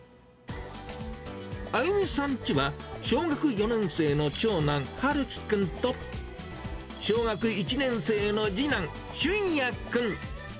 あゆみさんちは小学４年生の長男、はるき君と、小学１年生の次男、しゅんや君。